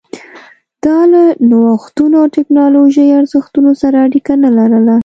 دا له نوښتونو او ټکنالوژۍ ارزښتونو سره اړیکه نه لرله